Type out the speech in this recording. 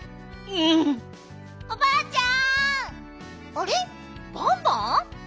あれっバンバン？